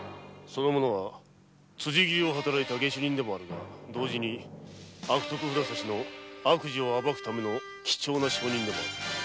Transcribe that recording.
その者は辻斬りの下手人ではあるが同時に悪徳札差の悪事を暴くための貴重な証人でもある。